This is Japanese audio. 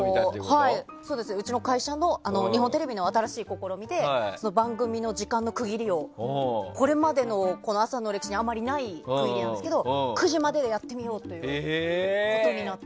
うちの会社の日本テレビの新しい試みで番組の時間の区切りをこれまでの朝の歴史にあまりない分野ですけど９時までやってみようということになって。